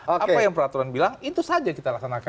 apa yang peraturan bilang itu saja kita laksanakan